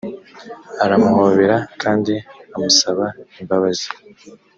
aramuhobera kandi amusaba imbabazi